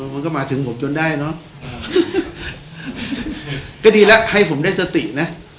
มันก็มาถึงผมจนได้เนอะก็ดีแล้วให้ผมได้สตินะ